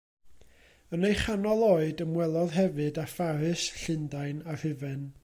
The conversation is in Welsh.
Yn ei chanol oed, ymwelodd hefyd â Pharis, Llundain a Rhufain.